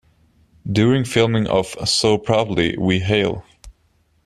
During filming of So Proudly We Hail!